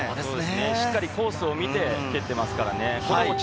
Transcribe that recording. しっかりコースを見て蹴ってますからね。